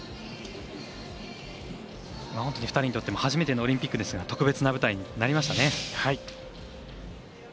２人にとっても初めてのオリンピックですが特別な舞台になりましたね。